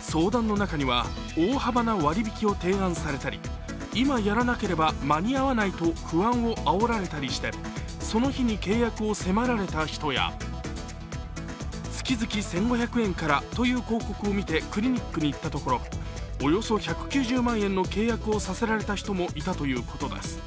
相談の中には大幅な割引を提案されたり、今やらなければ間に合わないと不安をあおられたりしてその日に契約を迫られた人や月々１５００円からという広告を見てクリニックに行ったところおよそ１９０万円の契約をさせられた人もいたということです。